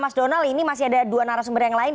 mas donald ini masih ada dua narasumber yang lain